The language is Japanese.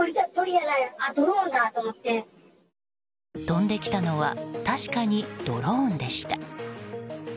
飛んできたのは確かにドローンでした。